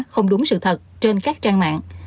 không đúng sự thật trên các trang mạng